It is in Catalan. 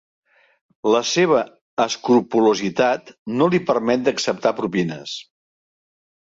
La seva escrupolositat no li permet d'acceptar propines.